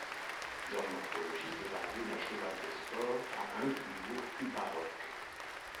Leur morphologie peut varier d'un cheval de sport à un plus lourd, plus baroque.